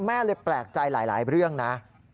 แม่เลยแปลกใจหลายเรื่องนะ